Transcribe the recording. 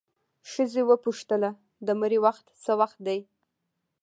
ښځه وپوښتله د مړي وخت څه وخت دی؟